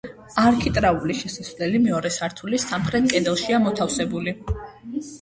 არქიტრავული შესასვლელი მეორე სართულის სამხრეთ კედელშია მოთავსებული.